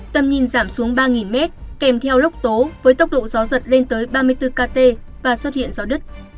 tầm nhìn giảm xuống ba m kèm theo lốc tố với tốc độ gió giật lên tới ba mươi bốn kt và xuất hiện gió đất